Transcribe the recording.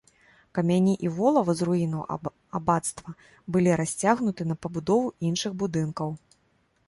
Камяні і волава з руінаў абацтва былі расцягнуты на пабудову іншых будынкаў.